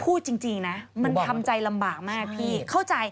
พูดจริงนะมันทำใจลำบากมากพี่เข้าใจ